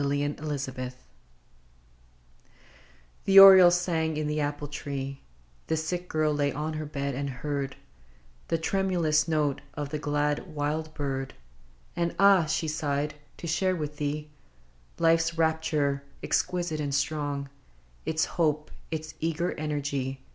INTERCHANGE 'T^HE oriole sang in the apple tree ; The sick girl lay on her bed, and heard The tremulous note of the glad wild bird ; And, " Ah !" she sighed, "to share with thee Life's rapture exquisite and strong : Its hope, its eager energy.